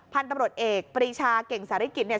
พันธุ์ตำรวจเอกปรีชาเก่งสาริกิจเนี่ย